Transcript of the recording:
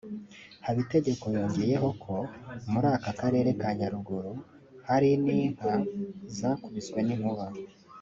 Habitegeko yongeyeho ko muri aka karere ka Nyaruguru hari n’inka zakubiswe n’inkuba